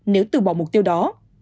nếu từ bỏ mục tiêu đó